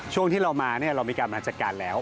ช่วงที่เรามาเรามีการมาจัดการแล้ว